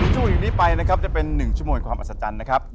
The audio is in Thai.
ช่วงอยู่นี้ไปนะครับจะเป็น๑ชั่วโมงความอัศจรรย์นะครับ